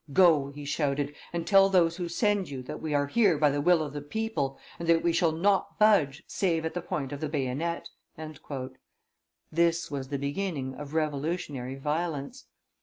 "Go," he shouted, "and tell those who send you, that we are here by the will of the people, and that we shall not budge save at the point of the bayonet." This was the beginning of revolutionary violence.